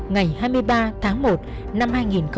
ngày hai mươi ba tháng một năm hai nghìn một mươi tám